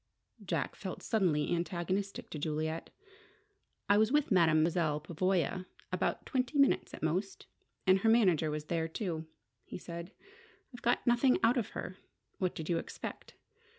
Jack felt suddenly antagonistic to Juliet. "I was with Mademoiselle Pavoya about twenty minutes at most, and her manager was there, too," he said. "I got nothing out of her. What did you expect?